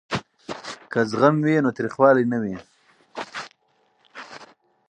که زغم وي نو تریخوالی نه وي.